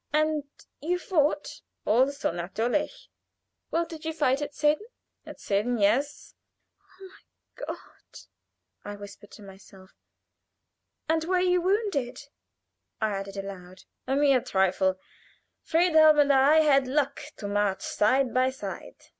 "And you fought?" "Also natürlich." "Where did you fight? At Sedan?" "At Sedan yes." "Oh, my God!" I whispered to myself. "And were you wounded?" I added aloud. "A mere trifle. Friedhelm and I had luck to march side by side.